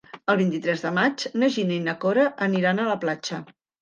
El vint-i-tres de maig na Gina i na Cora aniran a la platja.